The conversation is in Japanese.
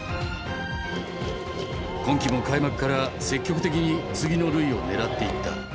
今季も開幕から積極的に次の塁を狙っていった。